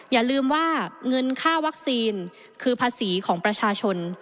อย่าลืมว่าเงินค่าวัคซีนคือภาษีของประชาชน